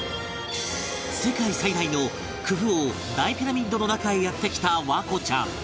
世界最大のクフ王大ピラミッドの中へやって来た環子ちゃん